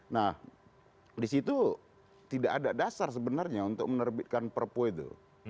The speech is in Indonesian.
nah di situ tidak ada dasar sebenarnya untuk menerbitkan perpu itu